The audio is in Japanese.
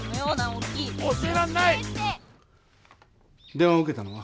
電話を受けたのは？